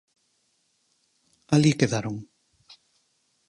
Alí quedaron.